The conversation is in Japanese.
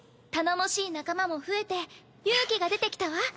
頼もしい仲間も増えて勇気が出てきたわ。